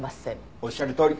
おっしゃるとおり。